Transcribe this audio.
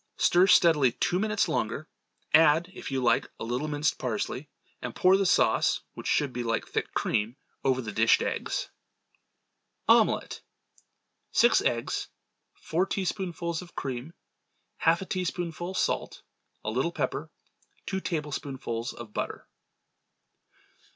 Stir steadily two minutes longer, add, if you like, a little minced parsley, and pour the sauce which should be like thick cream, over the dished eggs. Omelette. Six eggs. Four teaspoonfuls of cream. Half a teaspoonful salt. A little pepper. Two tablespoonfuls of butter.